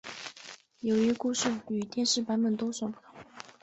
由于故事与电视版多所不同。